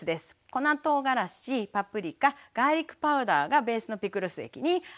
粉とうがらしパプリカガーリックパウダーがベースのピクルス液に入ってる。